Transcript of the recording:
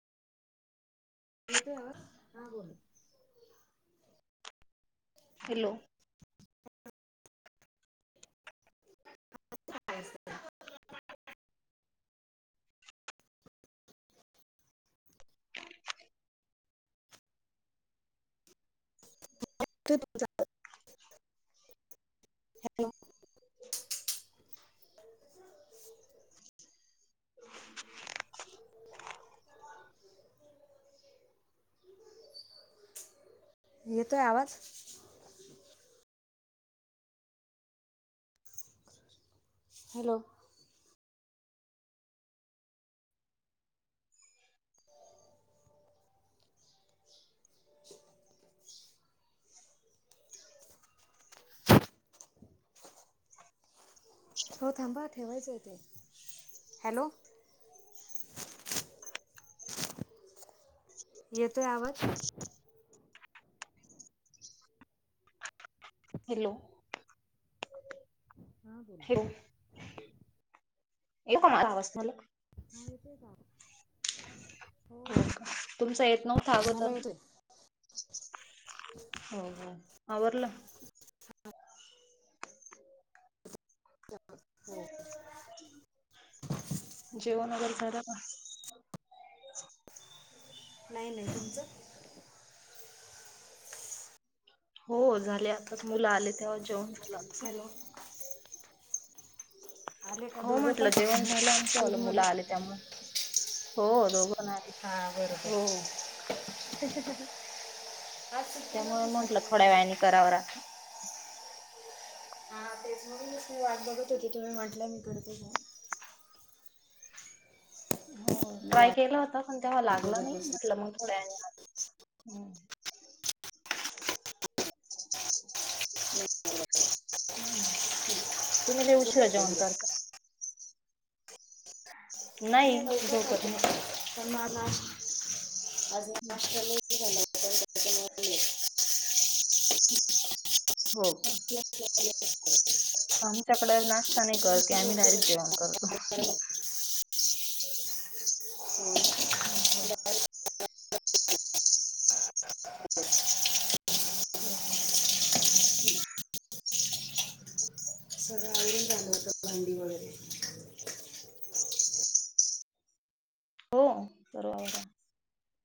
नेत आवर ह बोलू हॅलो से हॅलो येतो आहे आवाज हॅलो [inaudible] [inaudible] हो थांबा ठेवायचं आहे ते हॅलो [inaudible] येतोय आवज? हॅलो! हा बोला हॅलो येतोय मला आवाज [unintelligible] ह येते का. हो का तुमच येत नव्हता मला अगोदर. येतोय हो हो आवरलं. हो. जेवण वगैरे. झाला बघा. नाईनई तुमचं. हो झाले, आताच मुलं आले तेव्हा जेवन हॅलो! आले का हो दोघं पण म्हटलं जेवण झालं आमच आलं मुलं स्कूलमधून आले त्यामुळ. हो दोघ पण हां हो बरोबर आज सुट्टी त्यामुळे नव्हती म्हंटलं थोड्या वेळाने सॅटर्डेची करावंह. हा [unintelligible] फेसबुकच मी वाट बघत होती तुम्ही म्हंटलं मी करते का हो मी ट्राय वाट केला होता पण तेव्हा लागलं बघत नाही बसले म्हटलं मग थोड्या वेळा हम्म तुम्ही लय झोपले उशिरा ते जेवण दिवस. करता. नाही लवकर झोपत नाही. करते, पण मग आज. आज नाश्त्या [unintelligible] [unintelligible] [inaudible] हो का आमच्याकडे नाश्ता नाही करते, आम्ही डायरेक्ट जेवण करतो. ह [unintelligible] हम् ह ह ह [unintelligible] हो सगळ आवरून झालं होतं, भांडी वगैरे, हो सर्व आवरा